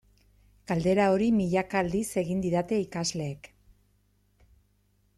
Galdera hori milaka aldiz egin didate ikasleek.